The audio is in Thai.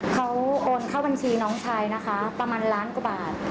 เขาโอนเข้าบัญชีน้องชายนะคะประมาณล้านกว่าบาท